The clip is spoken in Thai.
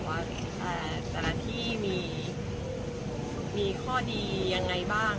ก็เราก็ดูดว่าแบบว่าแต่ละที่มีข้อดียังไงบ้าง